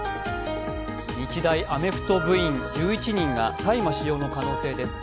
日大アメフト部員１１人が大麻使用の可能性です。